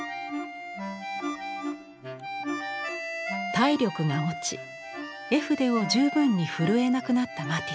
体力が落ち絵筆を十分に振るえなくなったマティス。